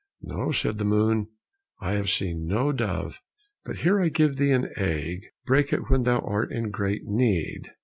"No," said the moon, "I have seen no dove, but here I give thee an egg, break it when thou art in great need."